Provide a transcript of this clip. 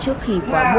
trước khi quá muộn